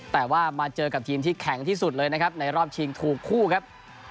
แต่ว่ามาเจอกับทีมที่แข็งที่สุดเลยนะครับในรอบชิงถูกคู่ครับ